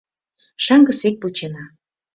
Шаҥгысек вучена.